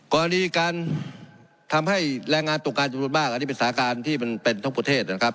กรณีการทำให้แรงงานตกงานจำนวนมากอันนี้เป็นสาการที่มันเป็นทั้งประเทศนะครับ